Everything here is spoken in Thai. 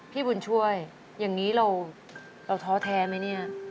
พี่บุญช่วยอย่างนี้เราท้อแท้ไหมเนี่ย